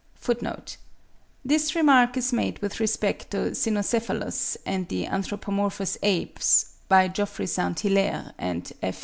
(12. This remark is made with respect to Cynocephalus and the anthropomorphous apes by Geoffroy Saint Hilaire and F.